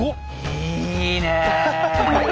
いいねえ！